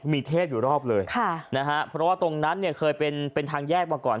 มีเทพอยู่รอบเลยเพราะว่าตรงนั้นเคยเป็นทางแยกมาก่อน